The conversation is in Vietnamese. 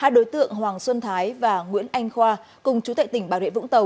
hai đối tượng hoàng xuân thái và nguyễn anh khoa cùng chủ tệ tỉnh bảo đệ vũng tàu